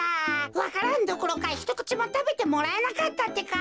わか蘭どころかひとくちもたべてもらえなかったってか。